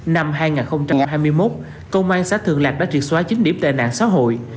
năm hai nghìn hai mươi một công an xã thường lạc đã triệt xóa chín điểm tệ nạn xã hội